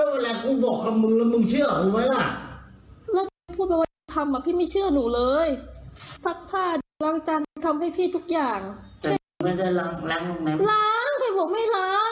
คุยอะไร